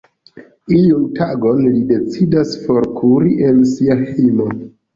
Iun tagon li decidas forkuri el sia hejmo.